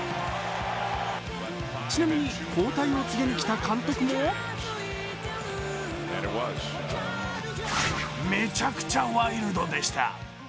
ちなみに交代を告げにきた監督もめちゃくちゃワイルドでした。